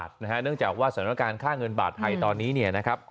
ค่าเงินบาทนะฮะเนื่องจากว่าสถานการณ์ค่าเงินบาทไทยตอนนี้เนี่ยนะครับ